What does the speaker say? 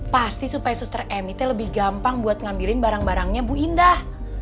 pasti supaya suster emitnya lebih gampang buat ngambilin barang barangnya bu indah